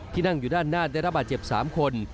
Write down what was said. นั่งอยู่ด้านหน้าได้รับบาดเจ็บ๓คน